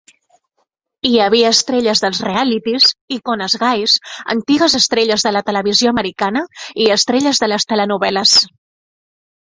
Hi havia estrelles dels realities, icones gais, antigues estrelles de la televisió americana i estrelles de les telenovel·les.